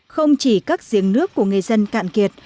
không chỉ các giếng nước của người dân cạn kiệt